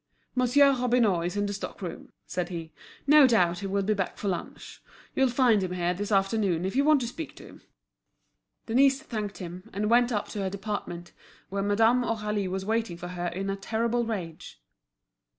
"Monsieur Robineau is in the stock room," said he. "No doubt he will be back for lunch. You'll find him here this afternoon, if you want to speak to him." Denise thanked him, and went up to her department, where Madame Aurélie was waiting for her in a terrible rage.